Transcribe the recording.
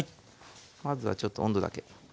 まずはちょっと温度だけ。